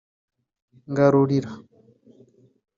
Ngarurira